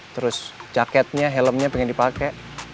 terus jaketnya helmnya pengen dipakai